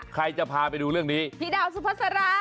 ใครจะพาไปดูเรื่องนี้พี่ดาวสุภาษา